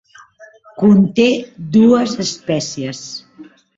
Conté dues espècies.